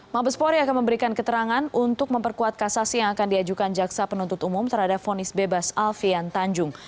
mabespori akan memberikan keterangan untuk memperkuat kasasi yang akan diajukan jaksa penuntut umum terhadap fonis bebas alfian tanjung